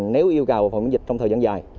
nếu yêu cầu phòng dịch trong thời gian dài